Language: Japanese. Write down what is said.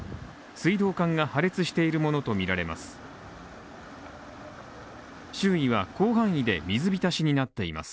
水道管が破裂しているものとみられます。